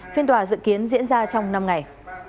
phiên tòa dự kiến diễn ra trong năm ngày